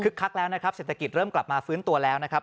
คักแล้วนะครับเศรษฐกิจเริ่มกลับมาฟื้นตัวแล้วนะครับ